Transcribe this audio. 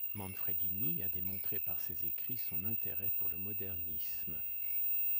Manfredini a démontré par ses écrits son intérêt pour le modernisme.